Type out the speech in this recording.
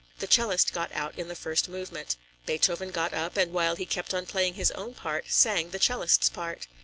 The cellist got out in the first movement. Beethoven got up, and while he kept on playing his own part, sang the cellist's part.